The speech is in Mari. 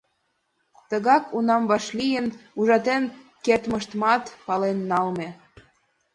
Тыгак унам вашлийын-ужатен кертмыштымат пален налме.